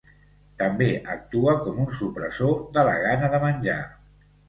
També actua com un supressor de la gana de menjar.